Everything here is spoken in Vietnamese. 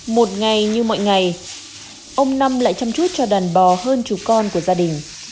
một ngày như mọi ngày ông năm lại chăm chút cho đàn bò hơn chục con của gia đình